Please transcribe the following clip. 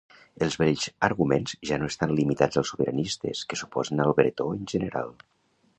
Els vells arguments ja no estan limitats als sobiranistes que s'oposen al bretó en general.